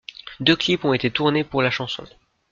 Deux clips ont été tournés pour la chanson.